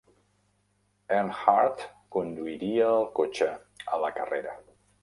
Earnhardt conduiria el cotxe a la carrera.